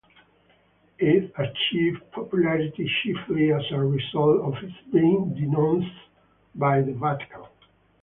It achieved popularity chiefly as a result of its being denounced by the Vatican.